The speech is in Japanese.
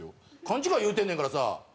「勘違い」言うてんねんからさ。